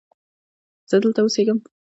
زه دلته اوسیږم.